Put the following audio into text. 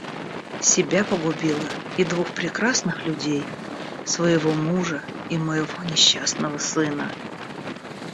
Себя погубила и двух прекрасных людей — своего мужа и моего несчастного сына.